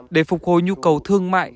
để phục hồi nhu cầu thương mại